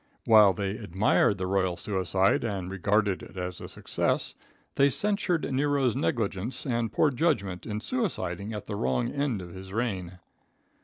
While they admired the royal suicide and regarded it as a success, they censured Nero's negligence and poor judgment in suiciding at the wrong end of his reign.